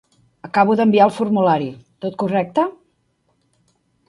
Acabo d'enviar el formulari, tot correcte?